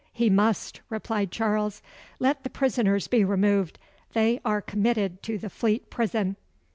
"He must," replied Charles. "Let the prisoners be removed. They are committed to the Fleet Prison."